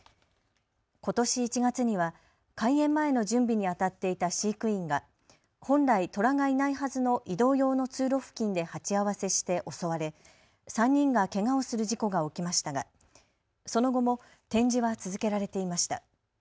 ことし１月には開園前の準備にあたっていた飼育員が本来、トラがいないはずの移動用の通路付近で鉢合わせして襲われ３人がけがをする事故が起きましたがその後も展示は続けられていました。